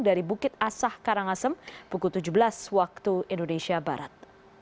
dari bukit asah karangasem pukul tujuh belas waktu indonesia barat